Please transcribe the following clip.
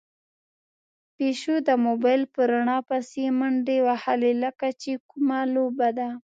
پيشو د موبايل په رڼا پسې منډې وهلې، لکه چې کومه لوبه ده.